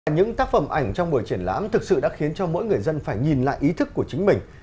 những tác phẩm ảnh trong buổi triển lãm thực sự đã khiến cho mỗi người dân phải nhìn lại ý thức của chính mình